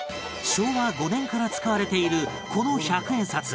昭和５年から使われているこの１００円札